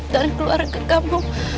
dan keluarga kamu